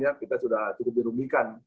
kita sudah cukup dirugikan